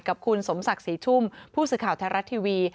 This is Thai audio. กับคุณสมศักดิ์ศรีชุ่มผู้สื่อข่าวไทยรัฐทีวี